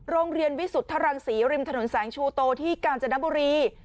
โรงเรียนวิสุทธิ์ทรังสีริมถนนแสงชูโต้ที่กาลจนครบรี